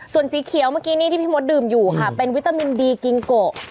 ส่วนสีเขียวเมื่อกี้นี่ที่พี่มดดื่มอยู่ค่ะเป็นวิตามินดีกิงโก